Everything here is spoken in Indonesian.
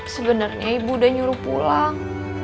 sebenarnya ibu udah nyuruh pulang